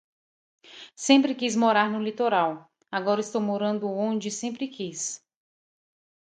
Sempre quis morar no litoral. Agora estou morando onde eu sempre quis